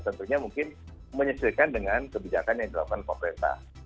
tentunya mungkin menyesuaikan dengan kebijakan yang dilakukan pemerintah